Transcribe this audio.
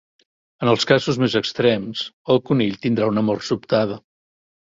En els casos més extrems, el conill tindrà una mort sobtada.